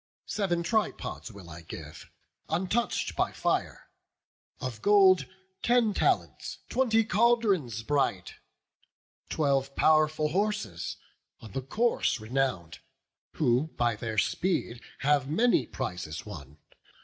Sev'n tripods will I give, untouch'd by fire; Of gold, ten talents, twenty caldrons bright, Twelve pow'rful horses, on the course renown'd, Who by their speed have many prizes won.